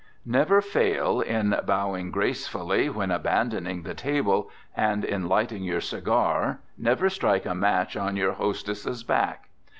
Never fail in bowing gracefully when abandoning the table, and, in lighting your cigar, never strike a match on your hostess's back.